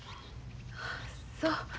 そう。